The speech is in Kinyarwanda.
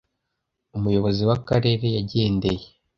Umuyobozi w'akarere yagendeye